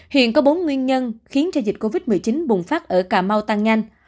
hiện có bốn nguyên nhân khiến cho dịch covid một mươi chín bùng phát ở cà mau tăng nhanh